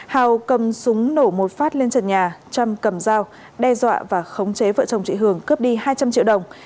hào cầm súng nổ một phát lên trần nhà trâm cầm dao đe dọa và khống chế vợ chồng chị hường cướp đi hai trăm linh triệu đồng